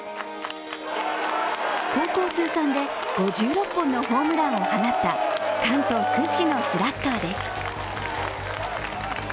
高校通算で５６本のホームランを放った関東屈指のスラッガーです。